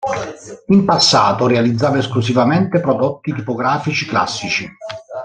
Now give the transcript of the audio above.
In passato realizzava esclusivamente prodotti tipografici classici.